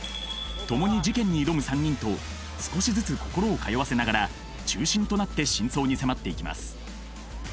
共に事件に挑む３人と少しずつ心を通わせながら中心となって真相に迫っていきます